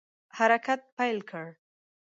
حرکت پیل کړ.